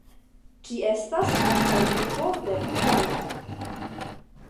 Ĝi estas antaŭurbo de Mumbajo.